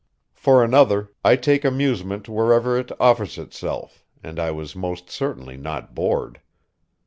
For another, I take amusement wherever it offers itself, and I was most certainly not bored.